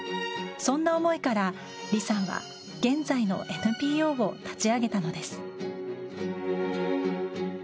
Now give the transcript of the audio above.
そんな思いからリさんは現在のＮＰＯを立ち上げたのです。